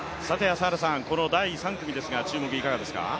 この第３組ですが、注目、いかがですか。